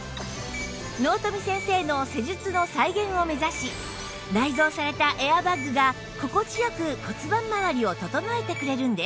納富先生の施術の再現を目指し内蔵されたエアバッグが心地良く骨盤まわりを整えてくれるんです